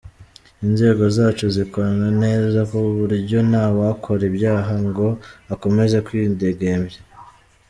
Inzego zacu zikorana neza ku buryo nta wakora ibyaha ngo akomeze kwidegembya.